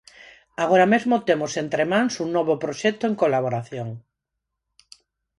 Agora mesmo temos entre mans un novo proxecto en colaboración.